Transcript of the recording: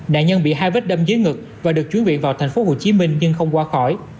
nạn nhân bị hai vết đâm dưới ngực và được chuyển viện vào tp hcm nhưng không qua khỏi